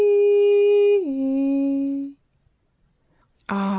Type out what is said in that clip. Ah!